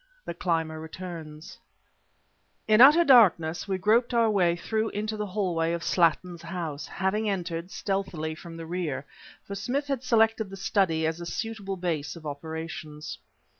THE CLIMBER RETURNS In utter darkness we groped our way through into the hallway of Slattin's house, having entered, stealthily, from the rear; for Smith had selected the study as a suitable base of operations.